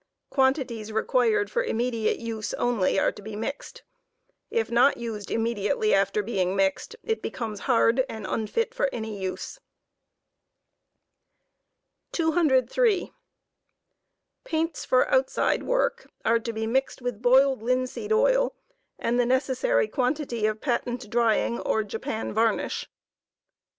Quantities required for immediate use only are to be mixed. If not used immediately after being mixed, it becomes hard and unfit* for any use. 203. Paints for outside work are to be mixed with boiled linseed oil and the neces sary quantity of patent drying or Japan varnish.